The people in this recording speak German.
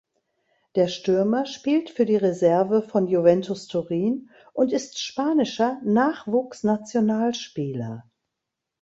Der Stürmer spielt für die Reserve von Juventus Turin und ist spanischer Nachwuchsnationalspieler.